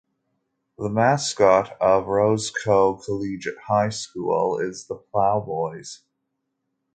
The mascot of Roscoe Collegiate High School is the Plowboys.